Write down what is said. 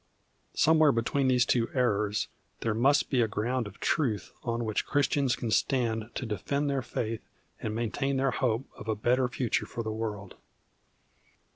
Somewhere between these two errors there must be a ground of truth on which Christians can stand to defend their faith and maintain their hope of a better future for the world.